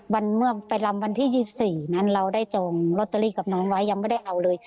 เมื่อไปรำวันที่๒๔นั้นเราได้จองลอตเตอรี่กับน้องไว้ยังไม่ได้เอาเลย